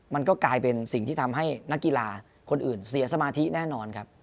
มันก็กลายเป็นสิ่งที่ทำให้นักกีฬาคนอื่นเสียสมาธิแน่นอนครับ